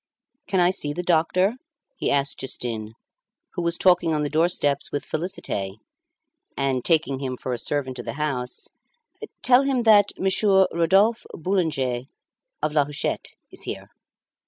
"Can I see the doctor?" he asked Justin, who was talking on the doorsteps with Félicité, and, taking him for a servant of the house "Tell him that Monsieur Rodolphe Boulanger of La Huchette is here."